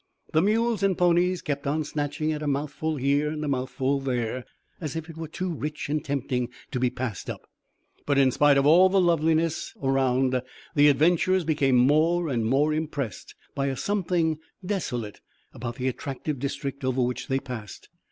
The mules and ponies kept on snatching at a mouthful here and a mouthful there, as if it were too rich and tempting to be passed; but in spite of the loveliness of all around, the adventurers became more and more impressed by a something desolate about the attractive district over which they passed.